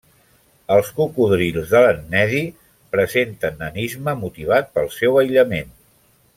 Els cocodrils de l'Ennedi presenten nanisme motivat pel seu aïllament.